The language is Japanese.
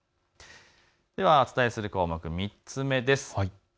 ではお伝えする項目、３つ目です。